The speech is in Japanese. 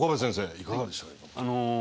いかがでしたか？